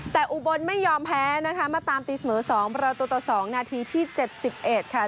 แต่อุบลไม่ยอมแพ้นะคะมาตามตีเสมอสองประตูตะสองนาทีที่เจ็ดสิบเอ็ดค่ะ